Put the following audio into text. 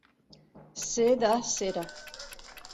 Ser de cera.